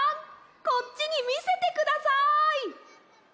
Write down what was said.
こっちにみせてください。